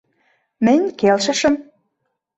Мӹнь келшышым.